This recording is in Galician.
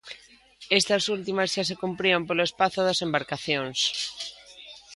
Estas últimas xa se cumprían polo espazo das embarcacións.